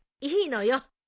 いいのよ。